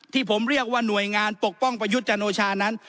ที่ผมเรียกว่าหน่วยงานปกป้องประยุทธ์จันโอชานั้น